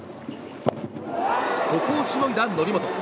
ここをしのいだ則本。